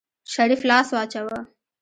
شريف لاس واچوه.